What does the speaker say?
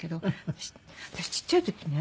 私ちっちゃい時ね